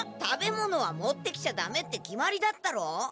食べ物は持ってきちゃダメって決まりだったろ？